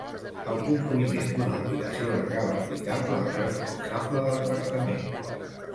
El compliment d'una obligació legal aplicable al responsable del tractament.